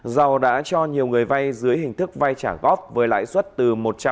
dầu đã cho nhiều người vay dưới hình thức vay trả góp với lãi suất từ một trăm hai mươi một năm